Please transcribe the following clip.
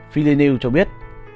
phí lê nêu cho biết